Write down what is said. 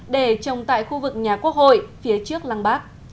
để trồng tại khu vực nhà quốc hội phía trước lăng bác